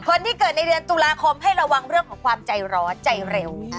คนที่เกิดในเดือนตุลาคมให้ระวังเรื่องของความใจร้อนใจเร็ว